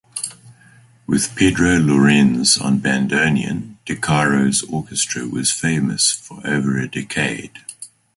With Pedro Laurenz on bandoneon, De Caro's orchestra was famous for over a decade.